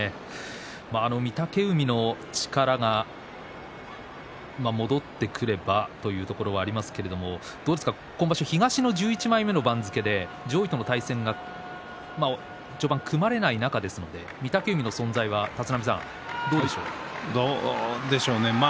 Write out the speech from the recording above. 御嶽海も力が戻ってくればというところがありますけれども、今場所東の１１枚目の番付で上位との対戦が序盤、組まれない中で御嶽海の存在はどうでしょう。